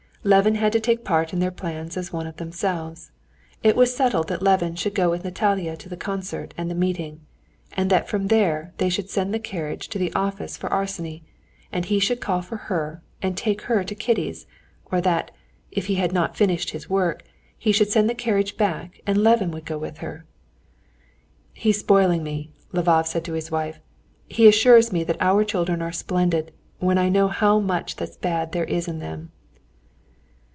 Levin had to take part in their plans as one of themselves. It was settled that Levin should go with Natalia to the concert and the meeting, and that from there they should send the carriage to the office for Arseny, and he should call for her and take her to Kitty's; or that, if he had not finished his work, he should send the carriage back and Levin would go with her. "He's spoiling me," Lvov said to his wife; "he assures me that our children are splendid, when I know how much that's bad there is in them."